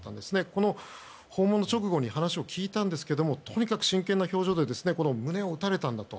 この訪問の直後に話を聞いたんですがとにかく真剣な表情で胸を打たれたんだと。